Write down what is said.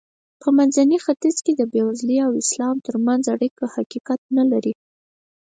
په منځني ختیځ کې د بېوزلۍ او اسلام ترمنځ اړیکه حقیقت نه لري.